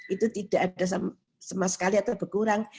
itu tidak ada sama sekali atau berkurang